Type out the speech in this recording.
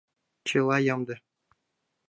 Чыла ямде.